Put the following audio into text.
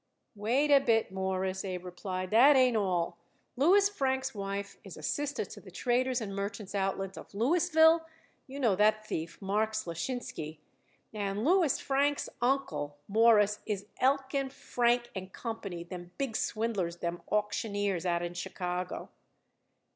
"Wait a bit, Mawruss," Abe replied. "That ain't all. Louis Frank's wife is a sister to the Traders' and Merchants' Outlet, of Louisville you know that thief, Marks Leshinsky; and Louis Frank's uncle, Mawruss, is Elkan Frank & Company, them big swindlers, them auctioneers, out in Chicago."